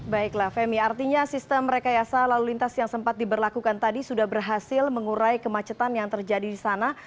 baiklah femi artinya sistem rekayasa lalu lintas yang sempat diberlakukan tadi sudah berhasil mengurai kemacetan yang terjadi di sana